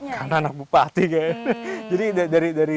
karena anak bupati kayaknya